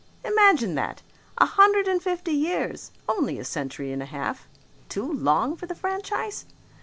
Imagine that! A hundred and fifty years (only a century and a half) too long for the franchise!